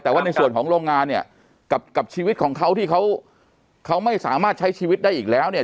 แต่ว่าในส่วนของโรงงานเนี่ยกับชีวิตของเขาที่เขาไม่สามารถใช้ชีวิตได้อีกแล้วเนี่ย